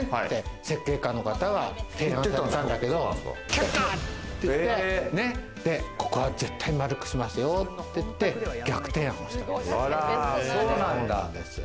設計家の方は提案されたんだけど却下って言ってここは絶対丸くしますよ！って言って、逆提案をしたんです。